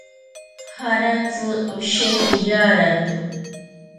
Jaratsi osheki yarato.